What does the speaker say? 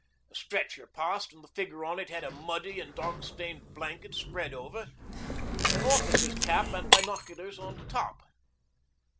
A stretcher passed and the figure on it had a muddy and dark stained blanket spread over, and an officer's cap and binoculars on top.